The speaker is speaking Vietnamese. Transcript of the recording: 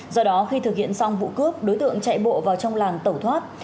do đó khi thực hiện xong vụ cướp đối tượng chạy bộ vào trong làng tẩu thoát